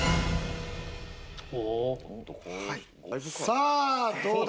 さあどうだ？